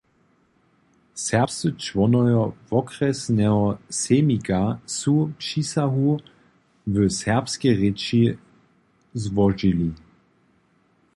Serbscy čłonojo wokrjesneho sejmika su přisahu w serbskej rěči złožili.